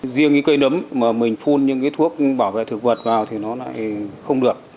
riêng cái cây đấm mà mình phun những cái thuốc bảo vệ thực vật vào thì nó lại không được